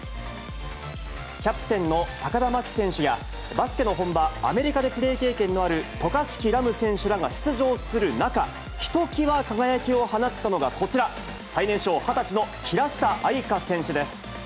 キャプテンの高田真希選手や、バスケの本場、アメリカでプレー経験のある渡嘉敷来夢選手らが出場する中、ひときわ輝きを放ったのがこちら、最年少、２０歳の平下愛佳選手です。